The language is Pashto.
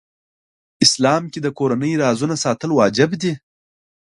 اسلام کې د کورنۍ رازونه ساتل واجب دي .